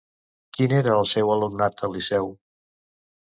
Quin era el seu alumnat al Liceu?